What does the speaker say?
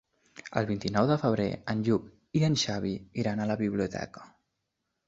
El vint-i-nou de febrer en Lluc i en Xavi iran a la biblioteca.